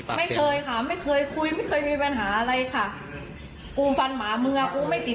ตอนนี้ขอเอาผิดถึงที่สุดยืนยันแบบนี้